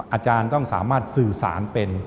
อาจารย์ต้องสามารถสื่อสารเป็น